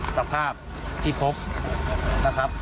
สภาพที่พบนะครับ